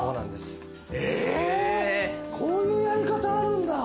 えぇこういうやり方あるんだ。